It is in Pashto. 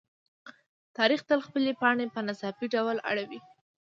تاریخ تل خپلې پاڼې په ناڅاپي ډول اړوي.